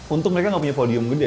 untung mereka gak punya podium gede